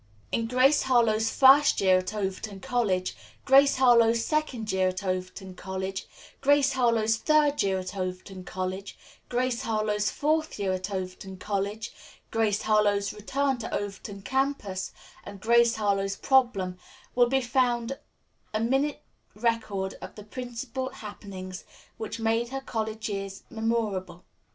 In "Grace Harlowe's First Year at Overton College," "Grace Harlowe's Second Year at Overton College," "Grace Harlowe's Third Year at Overton College," "Grace Harlowe's Fourth Year At Overton College," "Grace Harlowe's Return To Overton Campus" and "Grace Harlowe's Problem," will be found a minute record of the principal happenings which made her college years memorable.